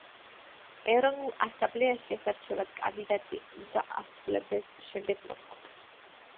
ეროვნულ ასამბლეაში ასარჩევად კანდიდატი უნდა ასრულებდეს შემდეგ მოთხოვნებს.